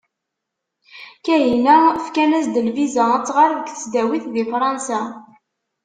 Kahina fkan-as-d lviza ad tɣer deg tesdawit di Fransa.